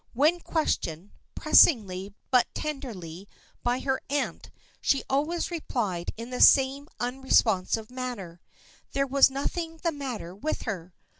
When questioned, pressingly but tenderly, by her aunt, she always replied in the same unresponsive manner. There was nothing the matter with her.